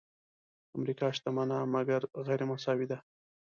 امریکا شتمنه مګر غیرمساوي ده.